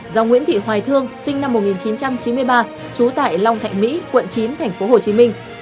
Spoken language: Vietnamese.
do nguyễn thị hoài thương sinh năm một nghìn chín trăm chín mươi ba trú tại long thạnh mỹ quận chín thành phố hồ chí minh